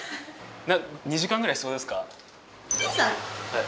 ２時間ぐらい必要ですか？